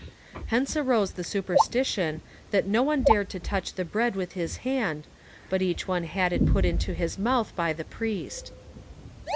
Hence arose the superstition, that no one dared to touch the bread with his hand, but each one had it put into his mouth by the priest.